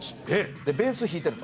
でベース弾いてると。